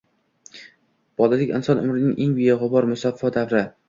Bolalik inson umrining eng beg‘ubor, musaffo davri